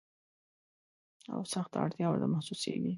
او سخته اړتیا ورته محسوسیږي.